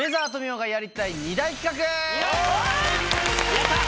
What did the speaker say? やった！